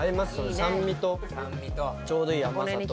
酸味とちょうどいい甘さと。